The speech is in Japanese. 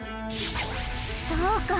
そうか！